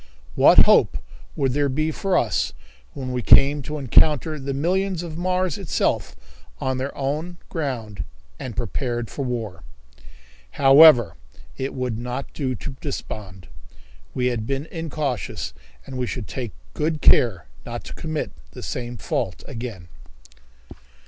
What hope would there be for us when we came to encounter the millions of Mars itself on their own ground and prepared for war? However, it would not do to despond. We had been incautious, and we should take good care not to commit the same fault again.